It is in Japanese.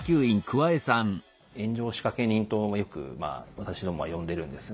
炎上仕掛け人とよくまあ私どもは呼んでるんですが。